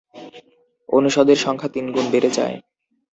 অনুষদের সংখ্যা তিনগুণ বেড়ে যায়।